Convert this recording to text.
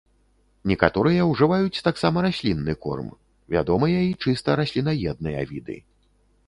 Некаторыя ўжываюць таксама раслінны корм, вядомыя і чыста раслінаедныя віды.